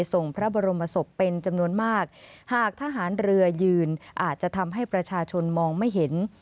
ส่งพระบรมศพเป็นจำนวนมากหากทหารเรือยืนอาจจะทำให้ประชาชนมองไม่เห็น